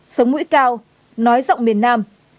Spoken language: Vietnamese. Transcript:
sống mũi cao nói rộng miền nam